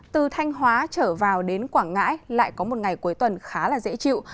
từ thanh hóa trở vào đến quảng ngãi lại có một ngày cuối tuần khá là dễ chịu